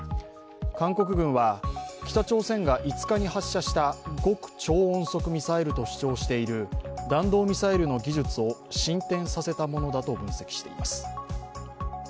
韓国軍は、北朝鮮が５日に発射した極超音速ミサイルと主張している弾道ミサイルの技術を進展させたものだと分析しています。